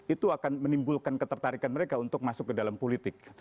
itu akan menimbulkan ketertarikan mereka untuk masuk ke dalam politik